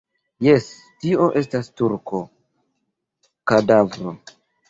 Jes, tio estas turko, kadavro.